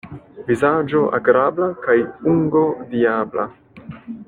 Vizaĝo agrabla kaj ungo diabla.